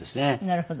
なるほど。